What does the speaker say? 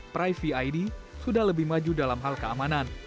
pry v id sudah lebih maju dalam hal keamanan